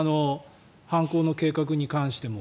犯行の計画に関しても。